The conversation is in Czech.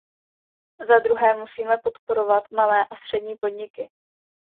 Zadruhé, musíme podporovat malé a střední podniky.